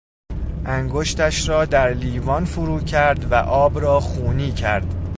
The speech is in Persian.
انگشتش را در لیوان فرو کرد و آب را خونی کرد.